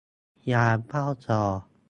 ยามเฝ้าจอ